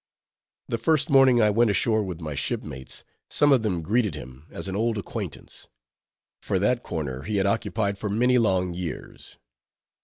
The first morning I went ashore with my shipmates, some of them greeted him as an old acquaintance; for that corner he had occupied for many long years.